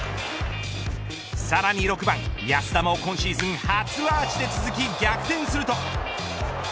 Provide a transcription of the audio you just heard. さらに６番安田も今シーズン初アーチで続き逆転すると。